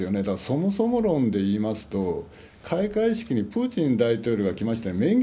だからそもそも論でいいますと、開会式にプーチン大統領が来ましたよね。